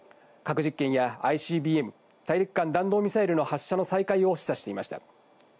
核実験やＩＣＢＭ＝大陸間弾道ミサイルの発射の再開を示唆していました。